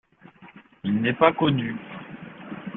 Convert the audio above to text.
Il n’est pas connu.